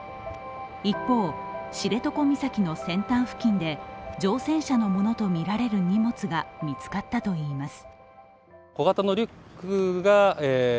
一方、知床岬の先端付近で乗船者のものとみられる荷物が見つかったといいます。